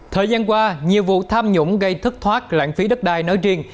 thời gian qua nhiều vụ tham nhũng gây thất thoát lãng phí đất đai nói riêng